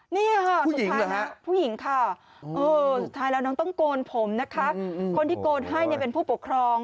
นี่ค่ะสุดท้ายนะผู้หญิงค่ะสุดท้ายแล้วน้องต้องโกนผมนะคะคนที่โกนให้เป็นผู้ปกครอง